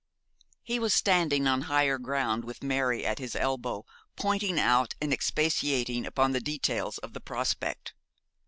He was standing on higher ground, with Mary at his elbow, pointing out and expatiating upon the details of the prospect.